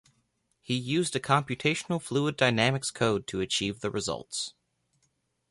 He used a computational fluid dynamics code to achieve the results.